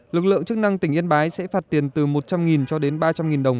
lực lượng chức năng tỉnh yên bái sẽ phạt tiền từ một trăm linh cho đến ba trăm linh đồng